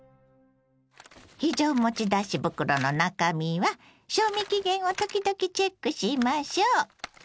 非常持ち出し袋の中身は賞味期限を時々チェックしましょう。